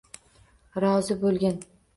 Rozi bo’lgin